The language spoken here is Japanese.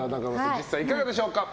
実際いかがでしょうか？